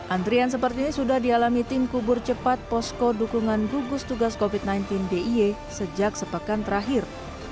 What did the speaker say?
antrian seperti ini sudah dialami tim kubur cepat posko dukungan gugus tugas covid sembilan belas d i e sejak sepekan terakhir